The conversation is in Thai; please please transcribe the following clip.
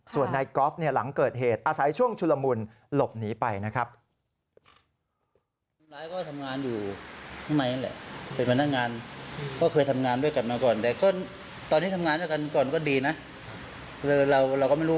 ส่วนนายกอล์ฟเนี่ยหลังเกิดเหตุอาศัยช่วงชุลมุนหลบหนีไปนะครับ